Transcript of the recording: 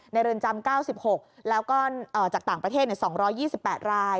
เรือนจำ๙๖แล้วก็จากต่างประเทศ๒๒๘ราย